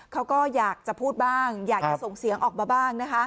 เขาก็อยากจะพูดบ้างอยากจะส่งเสียงออกมาบ้างนะคะ